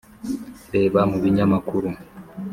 reba mu binyamakuru